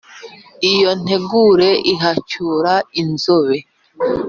iya ntegure ihacyura inzobe,